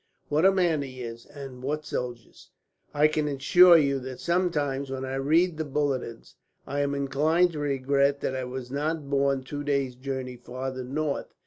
"What a man he is, and what soldiers! I can assure you that sometimes, when I read the bulletins, I am inclined to regret that I was not born two days' journey farther north.